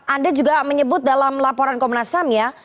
anda juga menyebut dalam laporan komnas ham ya